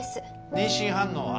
妊娠反応は？